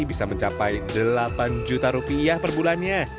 bisa mencapai delapan juta rupiah per bulannya